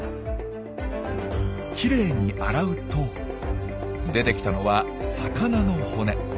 きれいに洗うと出てきたのは魚の骨。